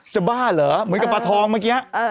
บ้าเหรอเหมือนกับปลาทองเมื่อกี้